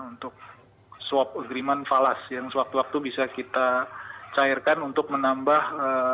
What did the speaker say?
untuk swab agreement falas yang sewaktu waktu bisa kita cairkan untuk menambah